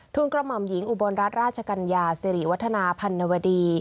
กระหม่อมหญิงอุบลรัฐราชกัญญาสิริวัฒนาพันนวดี